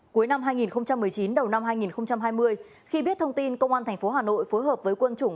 cuối năm hai nghìn một mươi chín đầu năm hai nghìn hai mươi khi biết thông tin công an tp hà nội phối hợp với quân chủng